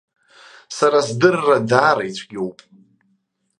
Сара сдырра даара ицәгьоуп.